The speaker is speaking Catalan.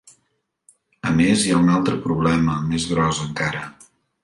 A més, hi ha un altre problema més gros encara.